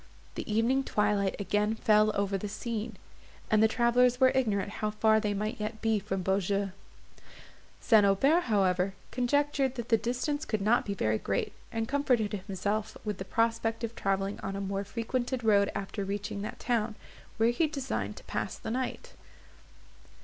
The evening twilight again fell over the scene, and the travellers were ignorant how far they might yet be from Beaujeu. St. Aubert, however, conjectured that the distance could not be very great, and comforted himself with the prospect of travelling on a more frequented road after reaching that town, where he designed to pass the night.